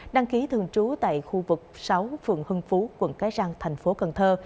đăng ký thường trú tại khu vực sáu phường hưng phú quận cái răng thành phố cần thơ